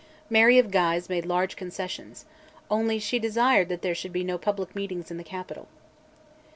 Mary of Guise made large concessions: only she desired that there should be no public meetings in the capital.